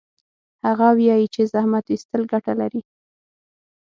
هغه وایي چې زحمت ویستل ګټه لري